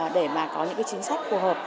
để có những chính sách phù hợp